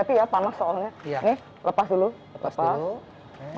shrimp ini kandung dulu bang